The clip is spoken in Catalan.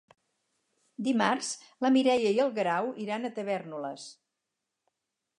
Dimarts na Mireia i en Guerau iran a Tavèrnoles.